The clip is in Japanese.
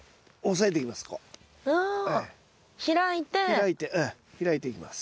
開いてええ開いていきます。